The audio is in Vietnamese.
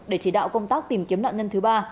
để chỉ đạo công tác tìm kiếm nạn nhân thứ ba